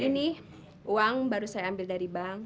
ini uang baru saya ambil dari bank